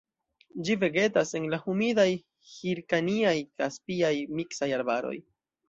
Ĝi vegetas en la humidaj hirkaniaj-kaspiaj miksaj arbaroj.